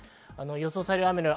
予想される雨の量。